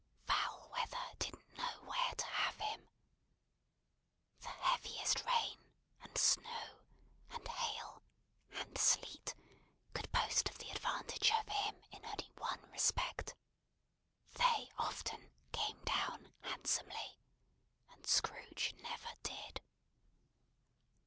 Foul weather didn't know where to have him. The heaviest rain, and snow, and hail, and sleet, could boast of the advantage over him in only one respect. They often "came down" handsomely, and Scrooge never did.